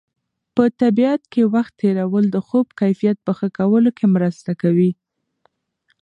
په طبیعت کې وخت تېرول د خوب کیفیت په ښه کولو کې مرسته کوي.